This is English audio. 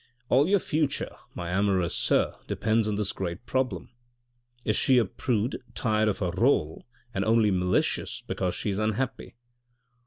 All your future, my amorous sir, depends on this great problem. Is she a prude tired of her role and only malicious because she is unhappy?"